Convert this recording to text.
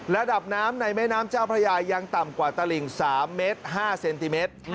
ระดับน้ำในแม่น้ำเจ้าพระยายังต่ำกว่าตลิ่ง๓เมตร๕เซนติเมตร